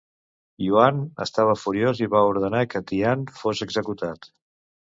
Yuan estava furiós i va ordenar que Tian fos executat.